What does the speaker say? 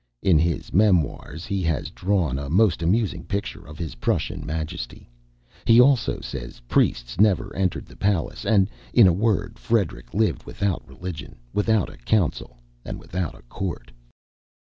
In his "Memoirs," he has drawn a most amusing picture of his Prussian Majesty. He, also says, "Priests never entered the palace; and, in a word, Frederick lived without religion, without a council, and without a court."